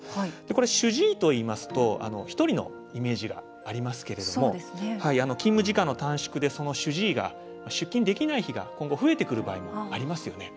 主治医といいますと１人のイメージがありますが勤務時間の短縮で主治医が出勤できなくなる可能性が今後、増えてくる場合もありますよね。